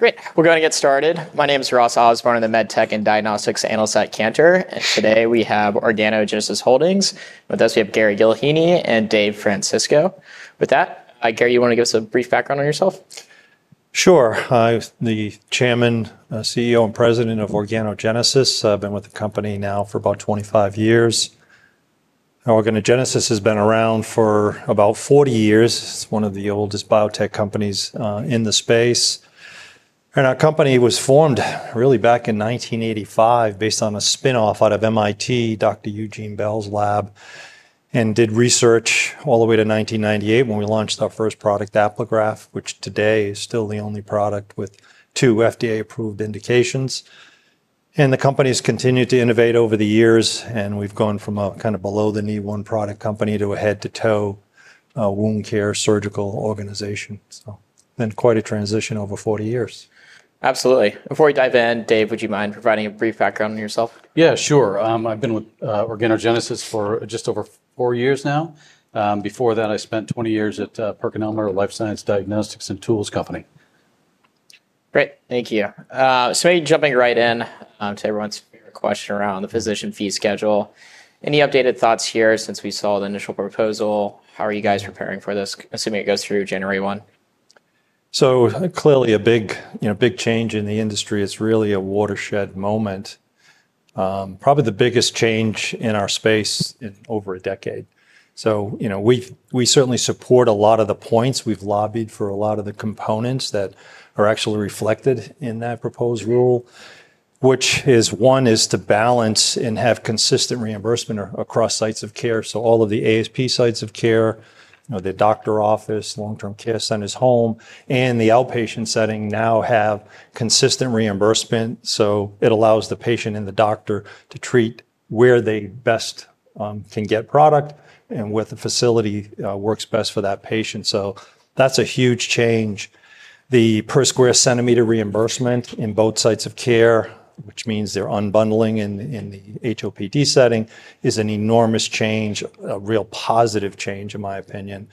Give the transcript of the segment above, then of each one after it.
Great. We're going to get started. My name is Ross Osborn of the MedTech and Diagnostics Analyst at Cantor, and today we have Organogenesis Holdings. With us, we have Gary Gillheeney and Dave Francisco. With that, Gary, you want to give us a brief background on yourself? Sure. I'm the Chairman, CEO, and President of Organogenesis. I've been with the company now for about 25 years. Organogenesis has been around for about 40 years. It's one of the oldest biotech companies in the space. And our company was formed really back in 1985 based on a spinoff out of MIT, Dr. Eugene Bell's lab, and did research all the way to 1998 when we launched our first product, Apligraf, which today is still the only product with two FDA-approved indications. And the company has continued to innovate over the years, and we've gone from a kind of below-the-knee one-product company to a head-to-toe wound care surgical organization. So it's been quite a transition over 40 years. Absolutely. Before we dive in, Dave, would you mind providing a brief background on yourself? Yeah, sure. I've been with Organogenesis for just over four years now. Before that, I spent 20 years at PerkinElmer Life Science Diagnostics and Tools Company. Great. Thank you. So maybe jumping right in to everyone's favorite question around the Physician Fee Schedule. Any updated thoughts here since we saw the initial proposal? How are you guys preparing for this, assuming it goes through January 1? So clearly a big change in the industry. It's really a watershed moment. Probably the biggest change in our space in over a decade. So we certainly support a lot of the points. We've lobbied for a lot of the components that are actually reflected in that proposed rule, which is one is to balance and have consistent reimbursement across sites of care. So all of the ASP sites of care, the doctor office, long-term care centers, home, and the outpatient setting now have consistent reimbursement. So it allows the patient and the doctor to treat where they best can get product and where the facility works best for that patient. So that's a huge change. The per square centimeter reimbursement in both sites of care, which means they're unbundling in the HOPD setting, is an enormous change, a real positive change, in my opinion.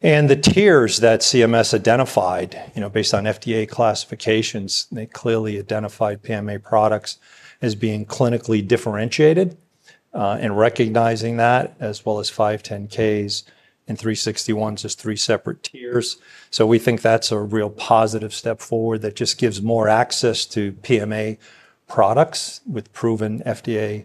The tiers that CMS identified based on FDA classifications, they clearly identified PMA products as being clinically differentiated and recognizing that, as well as 510(k)s and 361s as three separate tiers. So we think that's a real positive step forward that just gives more access to PMA products with proven FDA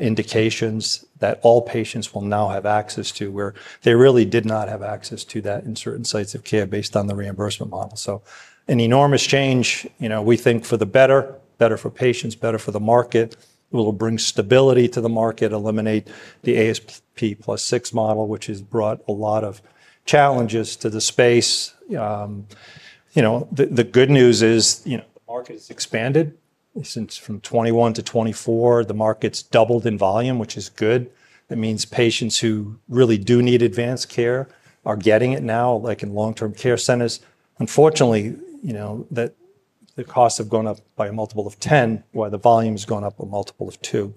indications that all patients will now have access to, where they really did not have access to that in certain sites of care based on the reimbursement model. So an enormous change, we think, for the better, better for patients, better for the market. It will bring stability to the market, eliminate the ASP plus 6 model, which has brought a lot of challenges to the space. The good news is the market has expanded. Since from 2021 to 2024, the market's doubled in volume, which is good. That means patients who really do need advanced care are getting it now, like in long-term care centers. Unfortunately, the costs have gone up by a multiple of 10, while the volume has gone up a multiple of 2.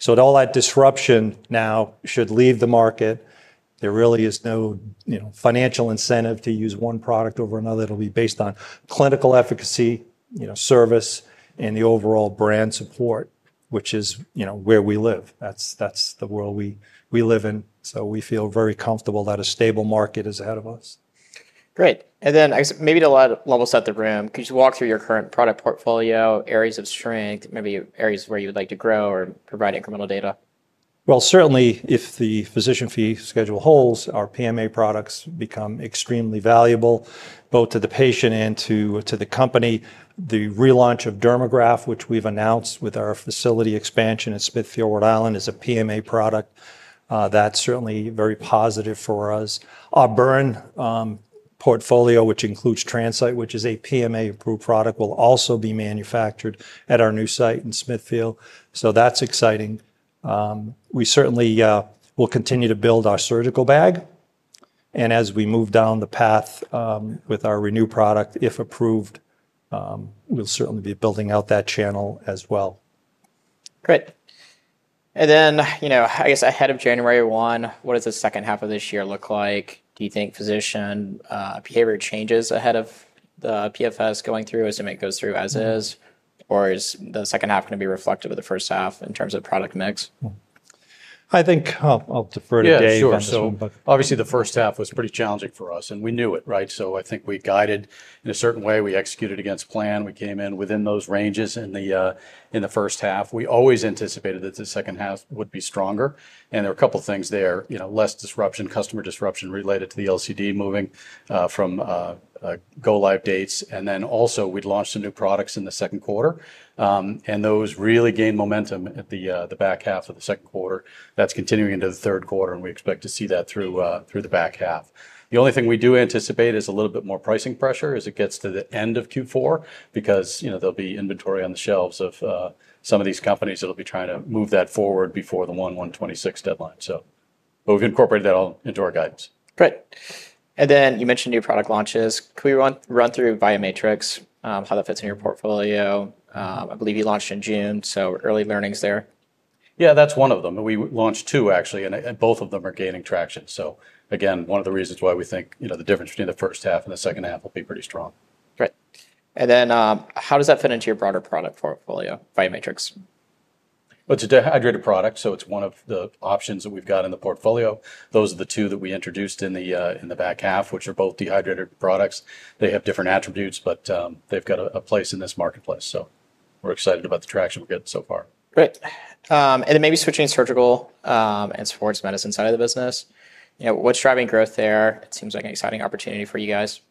So with all that disruption now, should leave the market. There really is no financial incentive to use one product over another. It'll be based on clinical efficacy, service, and the overall brand support, which is where we live. That's the world we live in. So we feel very comfortable that a stable market is ahead of us. Great. And then I guess maybe to a lot of folks in the room, could you walk through your current product portfolio, areas of strength, maybe areas where you would like to grow or provide incremental data? Certainly, if the physician fee schedule holds, our PMA products become extremely valuable both to the patient and to the company. The relaunch of Dermograft, which we've announced with our facility expansion at Smithfield, Rhode Island, is a PMA product. That's certainly very positive for us. Our burn portfolio, which includes TransCyte, which is a PMA-approved product, will also be manufactured at our new site in Smithfield. That's exciting. We certainly will continue to build our surgical bag. As we move down the path with our ReNu product, if approved, we'll certainly be building out that channel as well. Great. And then I guess ahead of January 1, what does the second half of this year look like? Do you think physician behavior changes ahead of the PFS going through, assuming it goes through as is? Or is the second half going to be reflective of the first half in terms of product mix? I think I'll defer to Dave here. Yeah, sure. Obviously, the first half was pretty challenging for us, and we knew it, right, so I think we guided in a certain way. We executed against plan. We came in within those ranges in the first half. We always anticipated that the second half would be stronger, and there were a couple of things there: less disruption, customer disruption related to the LCD moving from go-live dates, and then also, we launched some new products in the second quarter, and those really gained momentum at the back half of the second quarter. That's continuing into the third quarter, and we expect to see that through the back half. The only thing we do anticipate is a little bit more pricing pressure as it gets to the end of Q4, because there'll be inventory on the shelves of some of these companies that'll be trying to move that forward before the 1/1/2026 deadline. So we've incorporated that all into our guidance. Great. And then you mentioned new product launches. Could we run through Vimatrix how that fits in your portfolio? I believe you launched in June, so early learnings there. Yeah, that's one of them. We launched two, actually, and both of them are gaining traction. So again, one of the reasons why we think the difference between the first half and the second half will be pretty strong. Great. And then how does that fit into your broader product portfolio Vimatrix? It's a dehydrated product, so it's one of the options that we've got in the portfolio. Those are the two that we introduced in the back half, which are both dehydrated products. They have different attributes, but they've got a place in this marketplace. So we're excited about the traction we're getting so far. Great. And then maybe switching to surgical and sports medicine side of the business. What's driving growth there? It seems like an exciting opportunity for you guys.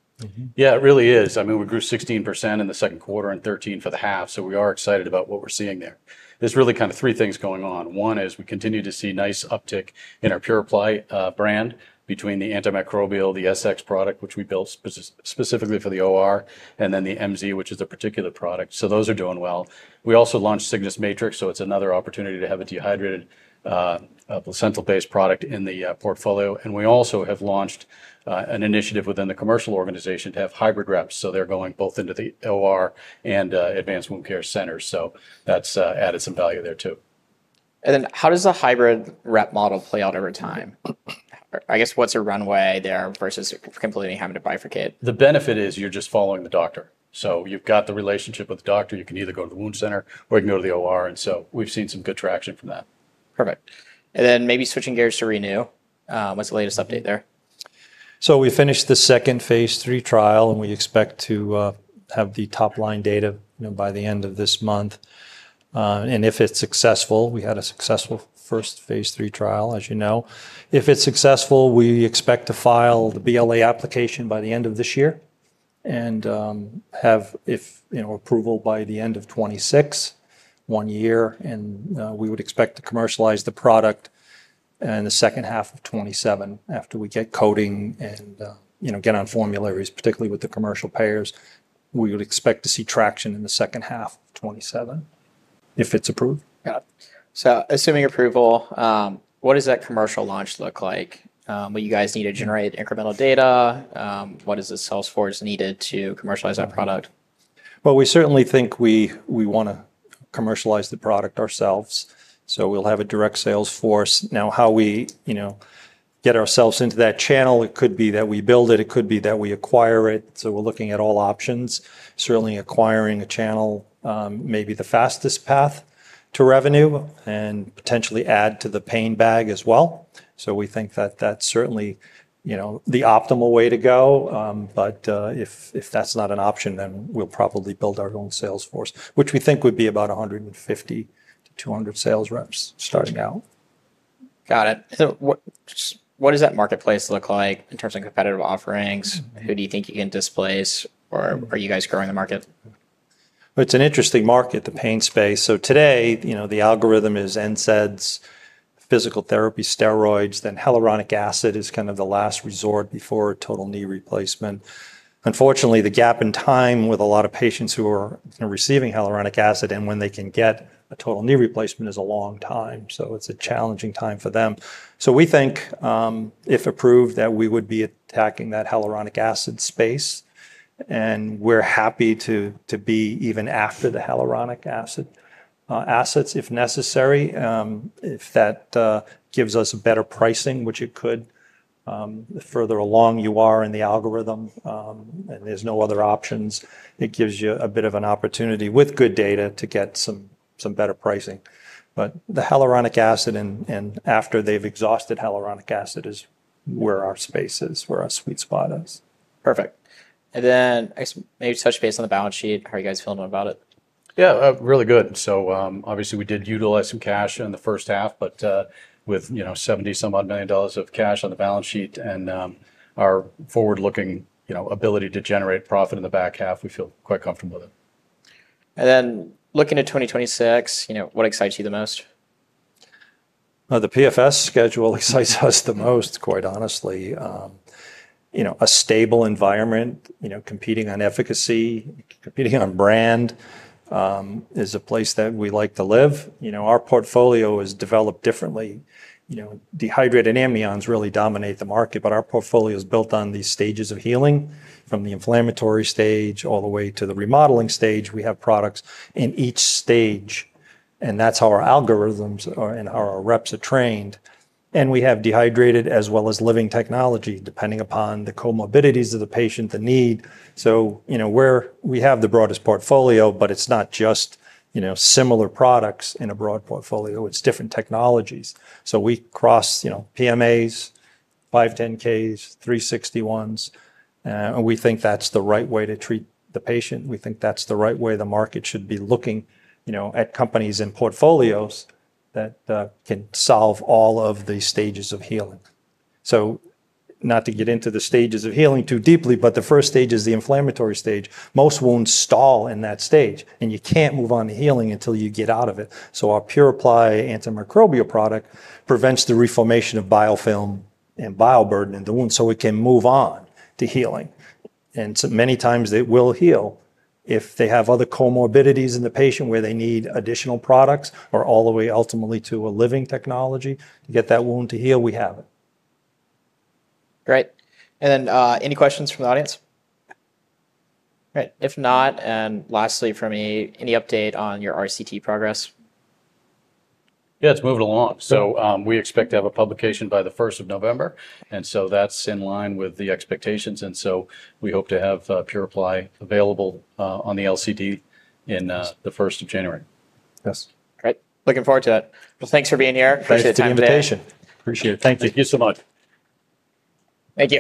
Yeah, it really is. I mean, we grew 16% in the second quarter and 13% for the half. So we are excited about what we're seeing there. There's really kind of three things going on. One is we continue to see nice uptick in our PuraPly brand between the antimicrobial, the SX product, which we built specifically for the OR, and then the MZ, which is a particulate product. So those are doing well. We also launched Signature Matrix, so it's another opportunity to have a dehydrated placental-based product in the portfolio. And we also have launched an initiative within the commercial organization to have hybrid reps. So they're going both into the OR and advanced wound care centers. So that's added some value there too. How does the hybrid rep model play out over time? I guess what's a runway there versus completely having to bifurcate? The benefit is you're just following the doctor. So you've got the relationship with the doctor. You can either go to the wound center or you can go to the OR. And so we've seen some good traction from that. Perfect. And then maybe switching gears to ReNu. What's the latest update there? We finished the second phase three trial, and we expect to have the top-line data by the end of this month. If it's successful, we had a successful first phase three trial, as you know. If it's successful, we expect to file the BLA application by the end of this year and have approval by the end of 2026, one year. We would expect to commercialize the product in the second half of 2027 after we get coding and get on formularies, particularly with the commercial payers. We would expect to see traction in the second half of 2027 if it's approved. Got it. So assuming approval, what does that commercial launch look like? Will you guys need to generate incremental data? What is the sales force needed to commercialize that product? We certainly think we want to commercialize the product ourselves, so we'll have a direct sales force. Now, how we get ourselves into that channel, it could be that we build it. It could be that we acquire it, so we're looking at all options, certainly acquiring a channel, maybe the fastest path to revenue, and potentially add to the pain bag as well, so we think that that's certainly the optimal way to go, but if that's not an option, then we'll probably build our own sales force, which we think would be about 150-200 sales reps starting out. Got it. So what does that marketplace look like in terms of competitive offerings? Who do you think you can displace, or are you guys growing the market? It's an interesting market, the pain space. So today, the algorithm is NSAIDs, physical therapy, steroids, then hyaluronic acid is kind of the last resort before total knee replacement. Unfortunately, the gap in time with a lot of patients who are receiving hyaluronic acid and when they can get a total knee replacement is a long time. So it's a challenging time for them. So we think, if approved, that we would be attacking that hyaluronic acid space. And we're happy to be even after the hyaluronic acid assets if necessary, if that gives us better pricing, which it could. The further along you are in the algorithm and there's no other options, it gives you a bit of an opportunity with good data to get some better pricing. But the hyaluronic acid and after they've exhausted hyaluronic acid is where our space is, where our sweet spot is. Perfect. And then maybe touch base on the balance sheet. How are you guys feeling about it? Yeah, really good. So obviously, we did utilize some cash in the first half, but with $70-some-odd million of cash on the balance sheet and our forward-looking ability to generate profit in the back half, we feel quite comfortable with it. And then looking to 2026, what excites you the most? The PFS schedule excites us the most, quite honestly. A stable environment, competing on efficacy, competing on brand is a place that we like to live. Our portfolio is developed differently. Dehydrated amnions really dominate the market, but our portfolio is built on these stages of healing from the inflammatory stage all the way to the remodeling stage. We have products in each stage, and that's how our algorithms and how our reps are trained. And we have dehydrated as well as living technology, depending upon the comorbidities of the patient, the need. So we have the broadest portfolio, but it's not just similar products in a broad portfolio. It's different technologies. So we cross PMAs, 510(k)s, 361s. We think that's the right way to treat the patient. We think that's the right way the market should be looking at companies and portfolios that can solve all of the stages of healing, so not to get into the stages of healing too deeply, but the first stage is the inflammatory stage. Most wounds stall in that stage, and you can't move on to healing until you get out of it, so our PuraPly antimicrobial product prevents the reformation of biofilm and bioburden in the wound so it can move on to healing, and many times it will heal if they have other comorbidities in the patient where they need additional products or all the way ultimately to a living technology to get that wound to heal. We have it. Great. And then any questions from the audience? Great. If not, and lastly for me, any update on your RCT progress? Yeah, it's moving along. So we expect to have a publication by the 1st of November. And so that's in line with the expectations. And so we hope to have PuraPly available on the LCD in the 1st of January. Yes. Great. Looking forward to it. Well, thanks for being here. Appreciate the time. Thank you for the invitation. Appreciate it. Thank you. Thank you so much. Thank you.